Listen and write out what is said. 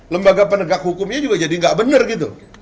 lembaga penegak hukumnya juga jadi nggak benar gitu